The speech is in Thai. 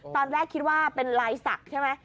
ตอนแรกคิดว่าเป็นลายศักดิ์ใช่ไหม